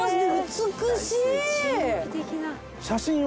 美しい！